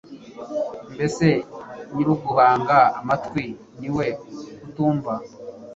mbese nyir'uguhanga amatwi, ni we utumva